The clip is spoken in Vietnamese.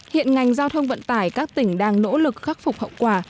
hiện ngành giao thông vận tải các tỉnh đang nỗ lực khắc phục hậu quả